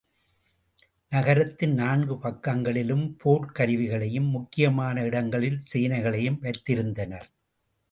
நகரத்தின் நான்கு பக்கங்களிலும் போர்க் கருவிகளையும், முக்கியமான இடங்களில் சேனைகளையும் வைத்திருந்தனர்.